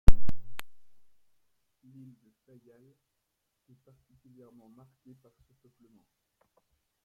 L'île de Faial est particulièrement marquée par ce peuplement.